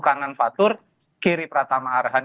kanan fatur kiri prata ma arshan